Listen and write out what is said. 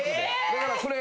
だからこれ。